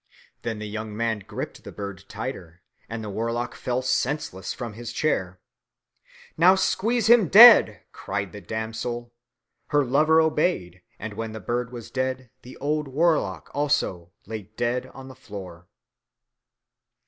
Then the young man gripped the bird tighter, and the warlock fell senseless from his chair. "Now squeeze him dead," cried the damsel. Her lover obeyed, and when the bird was dead, the old warlock also lay dead on the floor.